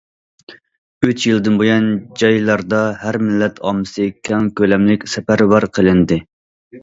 ئۈچ يىلدىن بۇيان، جايلاردا ھەر مىللەت ئاممىسى كەڭ كۆلەملىك سەپەرۋەر قىلىندى.